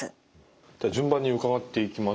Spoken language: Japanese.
では順番に伺っていきましょう。